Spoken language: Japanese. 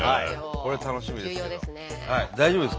これ楽しみですね。